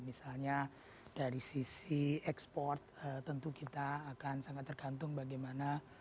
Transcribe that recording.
misalnya dari sisi ekspor tentu kita akan sangat tergantung bagaimana